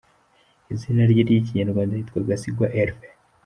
Izina rye ry’ikinyarwanda yitwa Gasigwa Hervé.